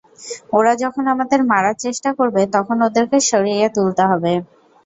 ওরা যখন আমাদের মারার চেষ্টা করবে, তখন ওদেরকে সারিয়ে তুলতে হবে।